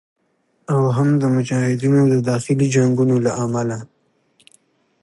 او هم د مجاهدینو د داخلي جنګونو له امله